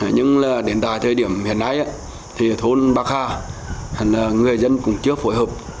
nhưng đến tại thời điểm hiện nay thôn bạc hà người dân cũng chưa phối hợp